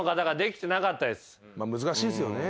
難しいですよね。